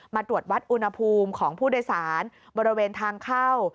ตรวจวัดอุณหภูมิของผู้โดยสารบริเวณทางเข้า